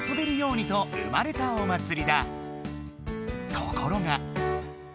ところが。